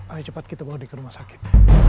ayo cepat kita bawa ke rumah sakit